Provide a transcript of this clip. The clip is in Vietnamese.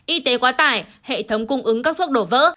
y tế quá tải hệ thống cung ứng các thuốc đổ vỡ